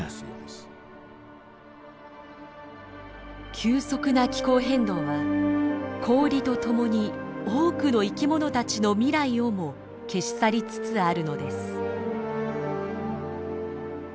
急速な気候変動は氷とともに多くの生きものたちの未来をも消し去りつつあるのです。